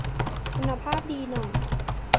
คุณภาพดีหน่อย